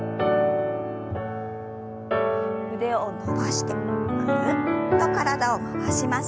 腕を伸ばしてぐるっと体を回します。